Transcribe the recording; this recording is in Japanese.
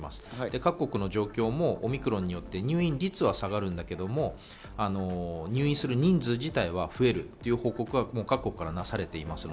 各国の状況もオミクロンによって入院率は下がるんだけれども、入院する人数自体は増えるという報告が各国から出されています。